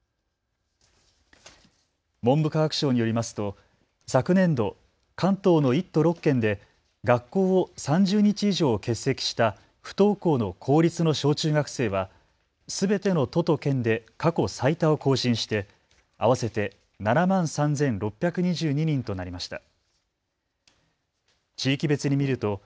文部科学省によりますと昨年度、関東の１都６県で学校を３０日以上欠席した不登校の公立の小中学生はすべての都と県で過去最多を更新して、合わせて７万３６２２人となりました。